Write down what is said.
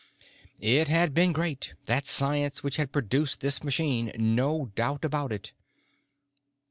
It had been great, that science which had produced this machine, no doubt about it.